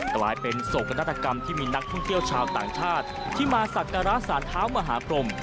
กลายเป็นโศกนาฏกรรมที่มีนักท่องเที่ยวชาวต่างชาติที่มาสักการะสารเท้ามหาพรม